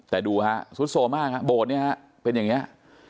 แต่ดูฮะซุดโซมากฮะโบสถ์เนี่ยฮะเป็นอย่างนี้